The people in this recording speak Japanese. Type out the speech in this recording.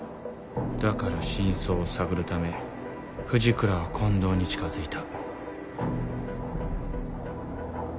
だから真相を探るため藤倉は近藤に近づいた。